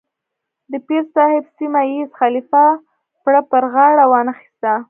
د پیر صاحب سیمه ییز خلیفه پړه پر غاړه وانه اخیسته.